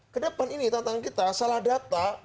kedepan ini tangan tangan kita salah data